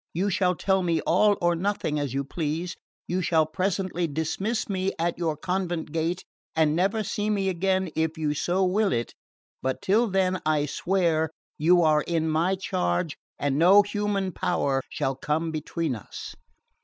You shall tell me all or nothing, as you please you shall presently dismiss me at your convent gate, and never see me again if you so will it but till then, I swear, you are in my charge, and no human power shall come between us!"